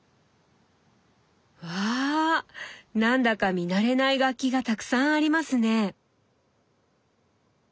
わあ何だか見慣れない楽器がたくさんありますね。